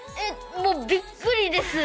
もう、びっくりです。